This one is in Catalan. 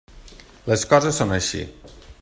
Les coses són així.